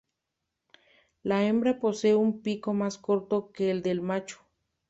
La hembra posee un pico más corto que el del macho.